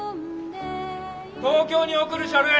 東京に送る書類